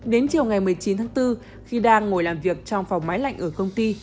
đến chiều ngày một mươi chín tháng bốn khi đang ngồi làm việc trong phòng máy lạnh ở công ty